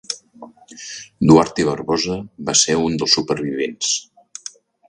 Duarte Barbosa va ser un dels supervivents.